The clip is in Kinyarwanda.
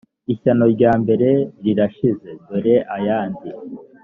ishyano rya mbere rirashize dore ayandi